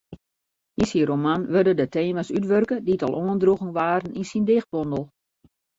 Yn syn roman wurde de tema's útwurke dy't al oandroegen waarden yn syn dichtbondel.